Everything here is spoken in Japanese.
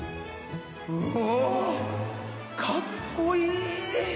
うおかっこいい。